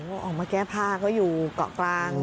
ก็ออกมาแก้ผ้าก็อยู่เกาะกลาง